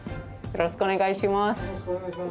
よろしくお願いします